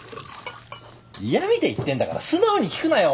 嫌みで言ってんだから素直に聞くなよ